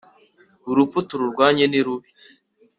urupfu tururwanye nirubi.